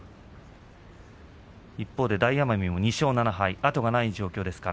一方、大奄美も２勝７敗後がない中、不穏な状況です。